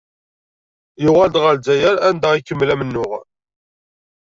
Yuɣal-d ɣer Lezzayer anda ikemmel amennuɣ.